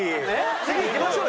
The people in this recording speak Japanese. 次いきましょうよ。